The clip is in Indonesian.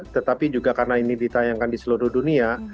tetapi juga karena ini ditayangkan di seluruh dunia